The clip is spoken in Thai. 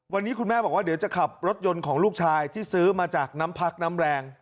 วันนี้คุณแม่บอกว่าเดี๋ยวจะขับรถยนต์ของลูกชายที่ซื้อมาจากน้ำพักน้ำแรง